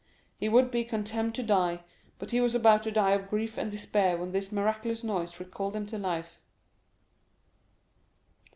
He would be condemned to die, but he was about to die of grief and despair when this miraculous noise recalled him to life.